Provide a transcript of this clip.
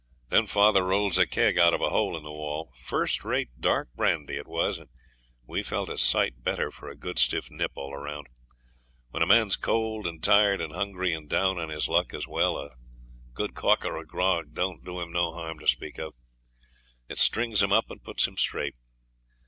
Then father rolls a keg out of a hole in the wall; first rate dark brandy it was, and we felt a sight better for a good stiff nip all round. When a man's cold and tired, and hungry, and down on his luck as well, a good caulker of grog don't do him no harm to speak of. It strings him up and puts him straight.